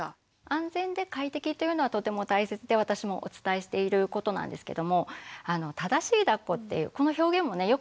安全で快適というのはとても大切で私もお伝えしていることなんですけども「正しいだっこ」っていうこの表現もよく聞くんですね。